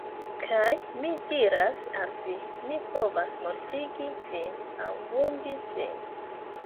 Kaj mi diras al vi, mi povas mortigi vin aŭ vundi vin!